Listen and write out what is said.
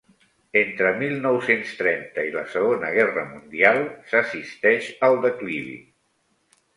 Entre mil nou-cents trenta i la segona guerra mundial s'assisteix al declivi.